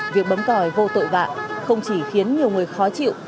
việc bấm còi vô tội vạ không chỉ khiến nhiều người khó chịu